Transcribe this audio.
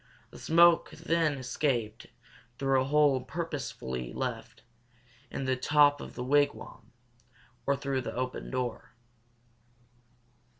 The smoke then escaped through a hole purposely left in the top of the wigwam, or through the open door.